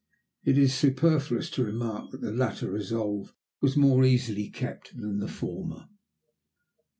It is superfluous to remark that the latter resolve was more easily kept than the former.